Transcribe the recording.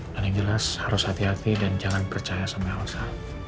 dan yang jelas harus hati hati dan jangan percaya sama elsa